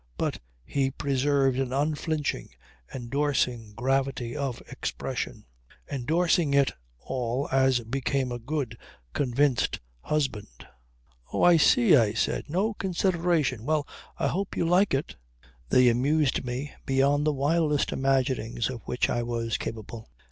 But he preserved an unflinching, endorsing, gravity of expression. Endorsing it all as became a good, convinced husband. "Oh! I see," I said. "No consideration ... Well I hope you like it." They amused me beyond the wildest imaginings of which I was capable.